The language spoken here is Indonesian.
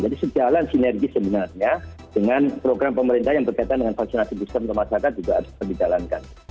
jadi sejalan sinergi sebenarnya dengan program pemerintah yang berkaitan dengan vaksinasi booster untuk masyarakat juga harus kita jalankan